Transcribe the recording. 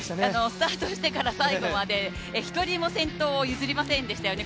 スタートしてから最後まで、１人も先頭を譲りませんでしたよね。